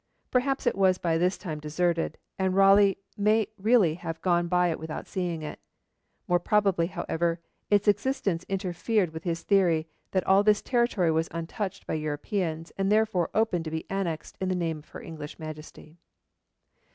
Perhaps it was by this time deserted, and Raleigh may really have gone by it without seeing it. More probably, however, its existence interfered with his theory that all this territory was untouched by Europeans, and therefore open to be annexed in the name of her English Majesty.